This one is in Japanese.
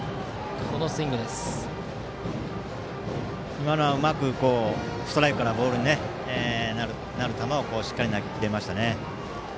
今のはうまくストライクからボールになる球をしっかり投げきれましたね。